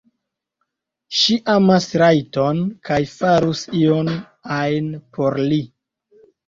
Ŝi amas Rajton kaj farus ion ajn por li.